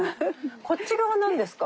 こっち側何ですか？